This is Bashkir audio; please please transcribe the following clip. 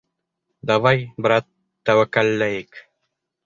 Давай, брат, тәүәккәлләйек!